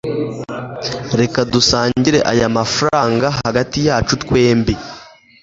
reka dusangire aya mafranga hagati yacu twembi